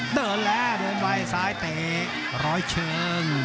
เดินแล้วเดินไว้ซ้ายเตะร้อยเชิง